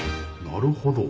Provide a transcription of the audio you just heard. なるほど。